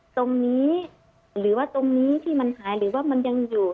ตรงนี้หรือว่าตรงนี้ที่มันหายหรือว่ามันยังอยู่